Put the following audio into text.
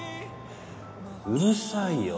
うるさいよ。